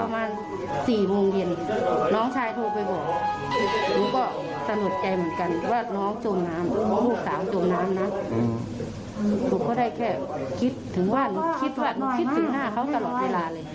ถ้าอาจจะเป็นรางสมหวังลูกก็ได้